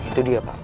itu dia pak